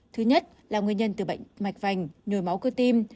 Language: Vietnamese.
thứ nhất là nguyên nhân từ bệnh mạch vành nhồi máu cơ tim